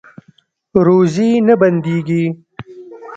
روزي نه بندیږي